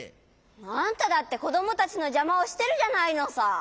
あんただってこどもたちのじゃまをしてるじゃないのさ。